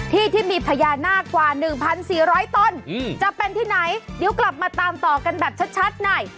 ที่ที่มีพญานาคกว่า๑๔๐๐ต้นจะเป็นที่ไหนเดี๋ยวกลับมาตามต่อกันแบบชัดหน่อย